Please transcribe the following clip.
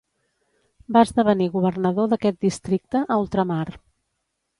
Va esdevenir Governador d'aquest districte, a Ultramar.